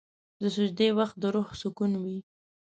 د سجدې وخت د روح سکون وي.